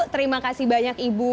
terima kasih banyak ibu